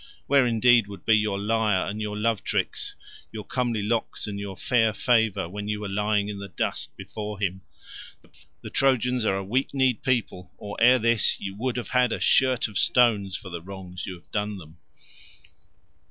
Where indeed would be your lyre and your love tricks, your comely locks and your fair favour, when you were lying in the dust before him? The Trojans are a weak kneed people, or ere this you would have had a shirt of stones for the wrongs you have done them."